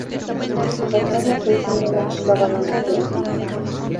Su fachada se hizo en un estilo vagamente egipcio.